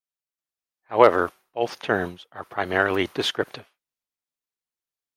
However, both terms are primarily descriptive.